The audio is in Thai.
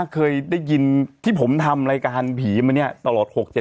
ใครได้ยินที่ผมทำรายการผีตะเดียวด้วย